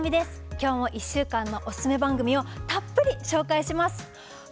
きょうも１週間のおすすめ番組をたっぷり紹介します。